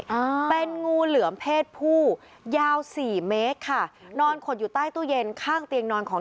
อ่าเป็นงูเหลือมเพศผู้ยาวสี่เมตรค่ะนอนขดอยู่ใต้ตู้เย็นข้างเตียงนอนของ